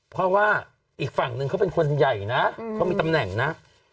เพราะว่าอีกฝั่งหนึ่งเขาเป็นคนใหญ่นะเขามีตำแหน่งนะ